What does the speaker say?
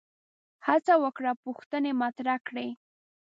هڅه وکړه پوښتنې مطرح کړي